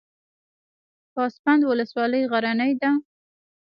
پسابند ولسوالۍ غرنۍ ده؟